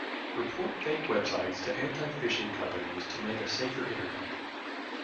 Report fake websites to anti-phishing companies to make a safer internet.